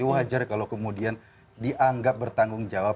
wajar kalau kemudian dianggap bertanggung jawab